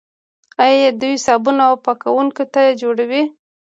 آیا دوی صابون او پاکوونکي نه جوړوي؟